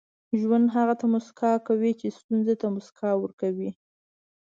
• ژوند هغه ته موسکا کوي چې ستونزې ته موسکا ورکړي.